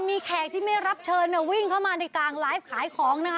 มีแขกที่ไม่รับเชิญวิ่งเข้ามาในกลางไลฟ์ขายของนะคะ